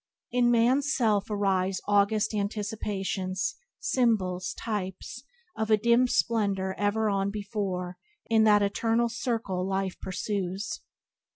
"In man's self arise August anticipations; symbols, types Of a dim splendor ever on before In that eternal circle life pursues."